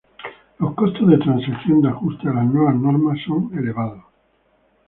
Los costos de transacción de ajuste a las nuevas normas son elevados.